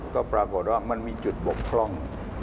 ก็ปรากฏว่ามันมีจุดบกพร่อง